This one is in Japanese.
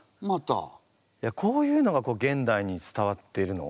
こういうのが現代に伝わってるの？